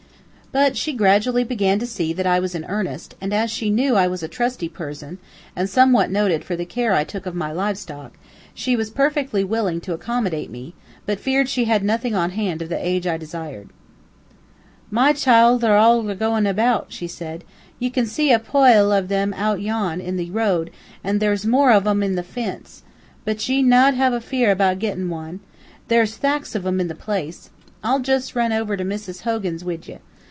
But she gradually began to see that I was in earnest, and as she knew I was a trusty person, and somewhat noted for the care I took of my live stock, she was perfectly willing to accommodate me, but feared she had nothing on hand of the age I desired. "Me childther are all agoin' about," she said. "Ye kin see a poile uv 'em out yon, in the road, an' there's more uv 'em on the fince. But ye nade have no fear about gittin' wan. There's sthacks of 'em in the place. I'll jist run over to Mrs. Hogan's, wid ye.